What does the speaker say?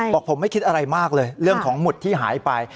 บอกผมไม่คิดอะไรมากเลยเรื่องของหมุดที่หายไป